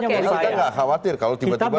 jadi kita enggak khawatir kalau tiba tiba